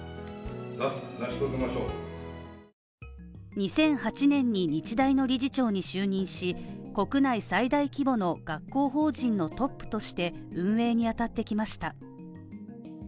２００８年に日大の理事長に就任し、国内最大規模の学校法人のトップとして運営に当たってきました